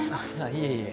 いえいえ。